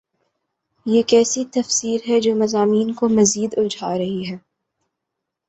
یہ کیسی تفسیر ہے جو مضامین کو مزید الجھا رہی ہے؟